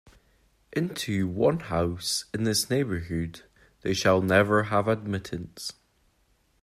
Into one house in this neighbourhood they shall never have admittance.